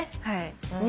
はい。